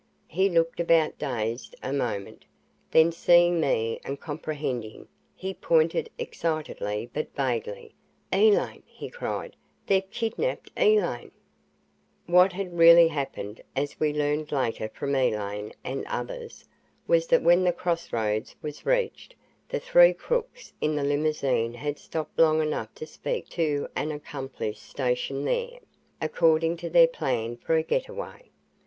He looked about dazed a moment, then seeing me and comprehending, he pointed excitedly, but vaguely. "Elaine!" he cried. "They've kidnapped Elaine!" What had really happened, as we learned later from Elaine and others, was that when the cross roads was reached, the three crooks in the limousine had stopped long enough to speak to an accomplice stationed there, according to their plan for a getaway.